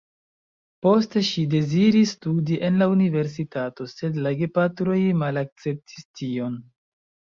Poste ŝi deziris studi en la universitato, sed la gepatroj malakceptis tion.